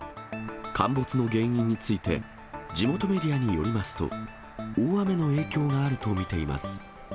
陥没の原因について、地元メディアによりますと、大雨の影響があると見ています。